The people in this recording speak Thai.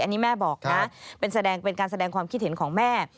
อันนี้แม่บอกนะเป็นแสดงเป็นการแสดงความคิดเห็นของแม่